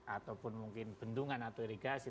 ataupun mungkin bendungan atau irigasi